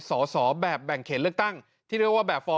สอสอแบบแบ่งเขตเลือกตั้งที่เรียกว่าแบบฟ